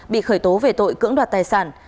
bị khởi tố về tội cưỡng đoạt tài sản